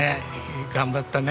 頑張ったね。